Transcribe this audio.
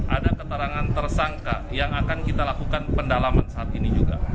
ada keterangan tersangka yang akan kita lakukan pendalaman saat ini juga